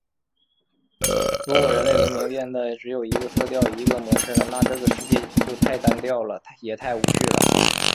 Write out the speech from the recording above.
如果人类文明变得只有一个色调、一个模式了，那这个世界就太单调了，也太无趣了！